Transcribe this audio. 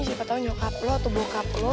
siapa tahu nyokap lu atau bokap lu